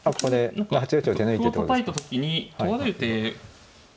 何か歩をたたいた時に取られる手。